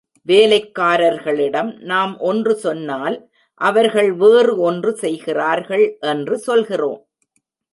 வேலைக்காரர்களிடம் நாம் ஒன்று சொன்னால் அவர்கள் வேறு ஒன்று செய்கிறார்கள் என்று சொல்கிறோம்.